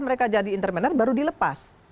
mereka jadi entrepreneur baru dilepas